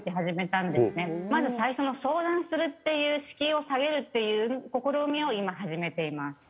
まず最初の相談するっていう敷居を下げるっていう試みを今始めています。